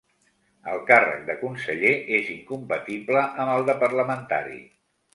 El càrrec de conseller és incompatible amb el de Parlamentari.